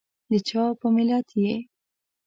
دچا په ملت یي؟